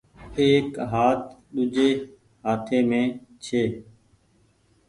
ايڪ هآت ۮوجھي هآتي مين ڇي۔